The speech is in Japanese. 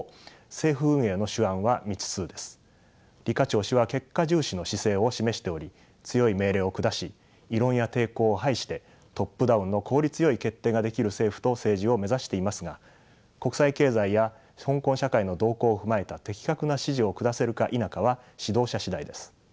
超氏は結果重視の姿勢を示しており強い命令を下し異論や抵抗を排してトップダウンの効率よい決定ができる政府と政治を目指していますが国際経済や香港社会の動向を踏まえた的確な指示を下せるか否かは指導者次第です。